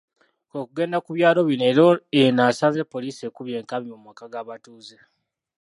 Kwe kugenda ku byalo bino era eno asanze poliisi ekubye enkambi mu maka g'abatuuze